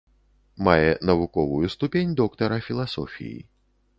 Мае навуковую ступень доктара філасофіі.